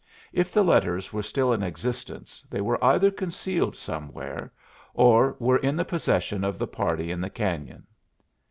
If the letters were still in existence, they were either concealed somewhere or were in the possession of the party in the Cañon.